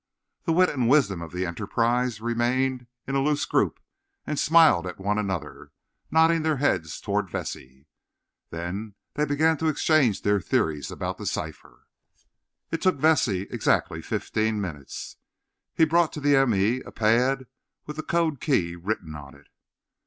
The wit and wisdom of the Enterprise remained in a loose group, and smiled at one another, nodding their heads toward Vesey. Then they began to exchange their theories about the cipher. It took Vesey exactly fifteen minutes. He brought to the m. e. a pad with the code key written on it.